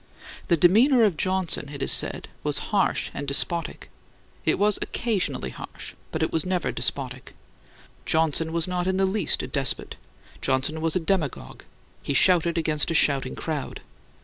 The demeanor of Johnson, it is said, was "harsh and despotic." It was occasionally harsh, but it was never despotic. Johnson was not in the least a despot; Johnson was a demagogue, he shouted against a shouting crowd.